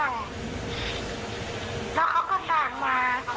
แล้วเขาก็ต่างมาประมาณ๒๓รอบค่ะ